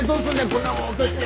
こんなもん落として。